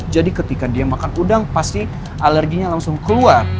jadi ketika dia makan udang pasti alerginya langsung keluar